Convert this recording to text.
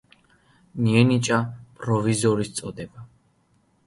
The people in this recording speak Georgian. მიენიჭა პროვიზორის წოდება.